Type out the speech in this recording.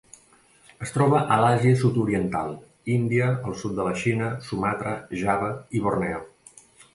Es troba a l'Àsia Sud-oriental, Índia, el sud de la Xina, Sumatra, Java i Borneo.